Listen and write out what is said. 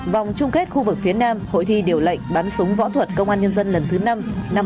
vòng chung kết khu vực phía nam hội thi điều lệnh bắn súng võ thuật công an nhân dân lần thứ năm năm hai nghìn hai mươi ba